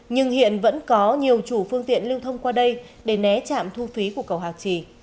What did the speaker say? nhưng hiện vẫn có nhiều chủ phương tiện lưu thông qua đây để né trạm thu phí của cầu hạc trì